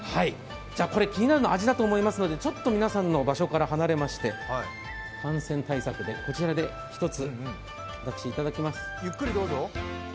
気になるのは味だと思いますので、ちょっと皆さんの場所から離れまして、感染対策でこちらで私、一ついただきます。